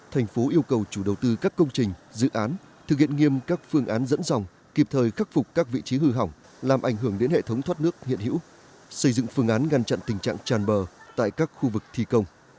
thành phố yêu cầu chủ đầu tư các công trình dự án thực hiện nghiêm các phương án dẫn dòng kịp thời khắc phục các vị trí hư hỏng làm ảnh hưởng đến hệ thống thoát nước hiện hữu xây dựng phương án ngăn chặn tình trạng tràn bờ tại các khu vực thi công